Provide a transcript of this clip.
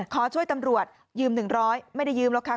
ขอช่วยตำรวจยืม๑๐๐ไม่ได้ยืมหรอกค่ะ